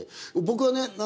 僕はね